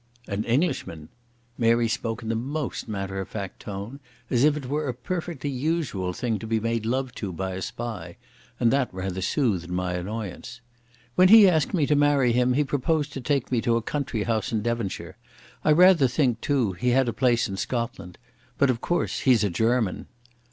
"An Englishman." Mary spoke in the most matter of fact tone, as if it were a perfectly usual thing to be made love to by a spy, and that rather soothed my annoyance. "When he asked me to marry him he proposed to take me to a country house in Devonshire. I rather think, too, he had a place in Scotland. But of course he's a German."